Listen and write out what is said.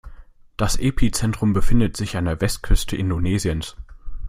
Das Epizentrum befindet sich an der Westküste Indonesiens.